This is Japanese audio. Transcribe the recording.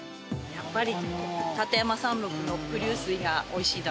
やっぱり。